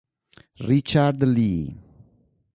Richard Lee